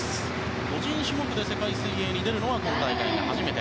個人種目で世界水泳に出るのは今大会が初めて。